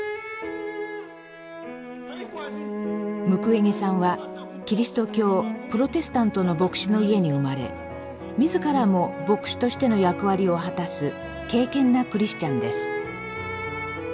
ムクウェゲさんはキリスト教プロテスタントの牧師の家に生まれ自らも牧師としての役割を果たす敬虔なクリスチャンです。